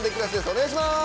お願いします！